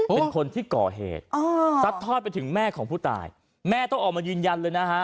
เป็นคนที่ก่อเหตุซัดทอดไปถึงแม่ของผู้ตายแม่ต้องออกมายืนยันเลยนะฮะ